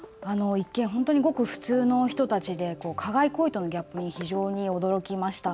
一見ごく普通の人たちで加害行為とのギャップに非常に驚きました。